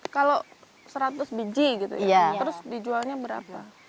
kalau seratus biji gitu ya terus dijualnya berapa